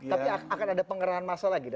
tapi akan ada pengerahan masa lagi